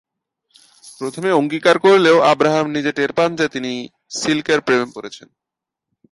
প্রথমে অস্বীকার করলেও আব্রাহাম নিজে টের পান যে তিনি সিল্কের প্রেমে পড়েছেন।